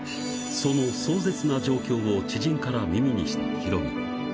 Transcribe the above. その壮絶な状況を知人から耳にしたヒロミ。